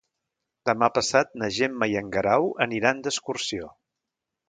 Demà passat na Gemma i en Guerau aniran d'excursió.